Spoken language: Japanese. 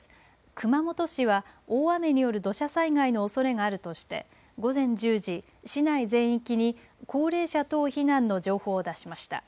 熊本市は大雨による土砂災害のおそれがあるとして午前１０時、市内全域に高齢者等避難の情報を出しました。